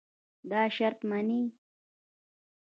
دا شرط منې.